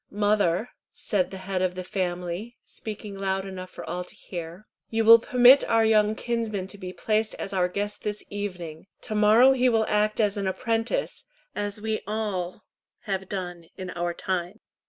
"Mother," said the head of the family, speaking loud enough for all to hear, "you will permit our young kinsman to be placed as our guest this evening. To morrow he will act as an apprentice, as we all have done in our time."